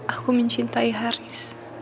aku mencintai haris